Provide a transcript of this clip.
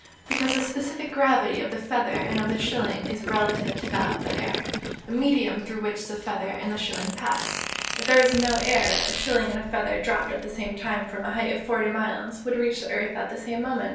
_ Because the specific gravity of the feather and of the shilling is relative to that of the air, the medium through which the feather and the shilling pass. If there were no air, a shilling and a feather dropped at the same time from a height of forty miles, would reach the earth at the same moment. CHAPTER XXXVII.